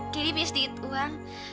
candy punya sedikit uang